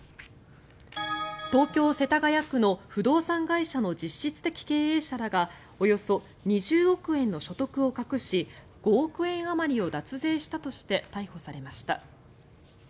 東京・世田谷区の不動産会社の実質的経営者らがおよそ２０億円の所得を隠し５億円あまりを脱税したとして逮捕されました。